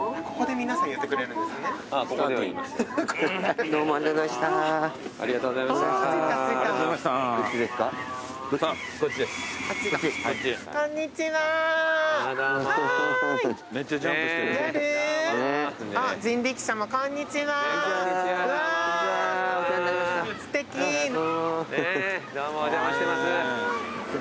皆さまお邪魔してます。